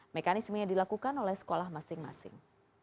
mekanismenya dilakukan oleh sekolah masing masing